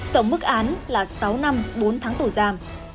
tổng mức án là sáu năm bốn tháng tù giam